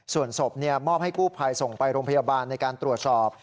ส่วนศพมอบให้กู้ภัยส่งไปโรงพยาบาลในการตรวจสอบ